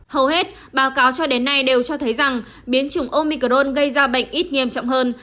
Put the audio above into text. hầu hết báo cáo cho đến nay đều cho thấy rằng biến chủng omicron gây ra bệnh ít nghiêm trọng hơn